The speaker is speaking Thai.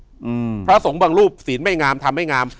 อืมพระสงฆ์บางรูปศีลไม่งามทำไม่งาม